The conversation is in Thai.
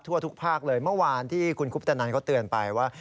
ทั่วทุกภาคเลยเมื่อวานที่คุณคุปตนันเขาเตือนไปว่า